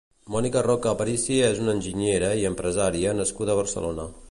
Mònica Roca Aparici és una enginyera i empresària nascuda a Barcelona.